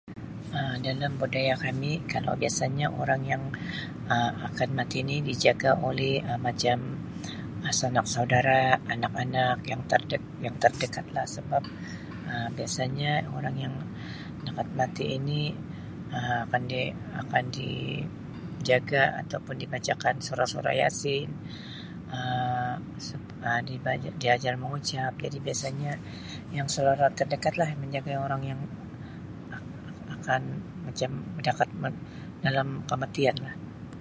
Um Dalam budaya kami kalau biasanya orang yang Um akan mati ni dijaga oleh Um macam sanak saudara, anak-anak yang terde- yang terdekat lah sebab Um biasanya orang yang akan mati ini akan di akan dijaga atau pun dibacakan surah surah Yasin Um ni di ajar mengucap jadi biasanya yang saudara terdekat lah yang menjaga orang ya akan macam dekat dalam kematian lah.